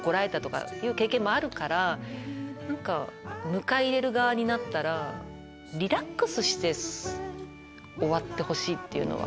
迎え入れる側になったらリラックスして終わってほしいっていうのは。